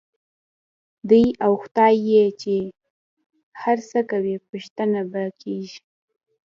دی او خدای یې چې هر څه کوي، پوښتنه به کېږي.